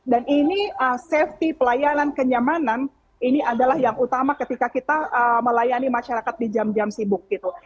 dan ini safety pelayanan kenyamanan ini adalah yang utama ketika kita melayani masyarakat di jam jam sibuk gitu